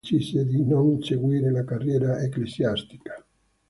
Tuttavia, alla fine decise di non seguire la carriera ecclesiastica.